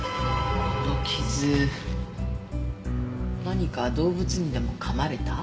何か動物にでも噛まれた？